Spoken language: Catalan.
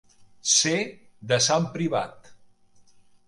Ser de Sant Privat.